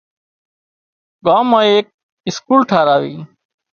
ڳام ايڪ اسڪول ٺاهراوي